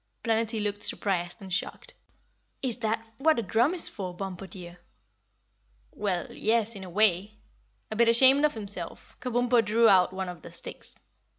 Planetty looked surprised and shocked. "Is that for what a drum is for, Bumpo, dear?" "Well, yes, in a way." A bit ashamed of himself, Kabumpo drew out one of the sticks.